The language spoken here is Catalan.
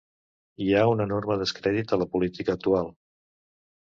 Hi ha un enorme descrèdit a la política actual.